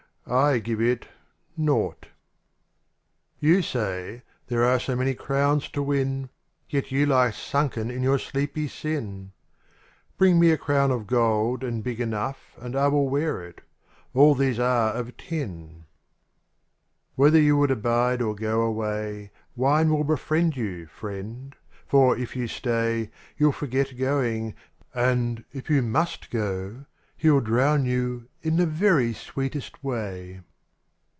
I give it : Nought. OU say: ''There are so many crowns to win. Yet you lie sunken in your sleepy sin 1 '^ Bring me a crown of gold and big enough. And I will wear it — all these are of tin. I ^HETHER you would abide or go away. Wine will befriend you, friend : for, if you stay. You'll forget going; and, if you must go. He '11 drown you in the very sweetest way.